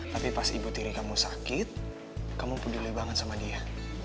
tapi pas ibu tiri kamu sakit kamu peduli banget sama dia